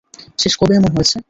শেষ কবে এমন হয়েছে?